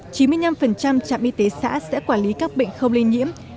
chín mươi năm trạm y tế xã sẽ quản lý các bệnh không lây nhiễm